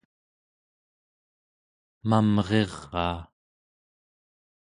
mamriraa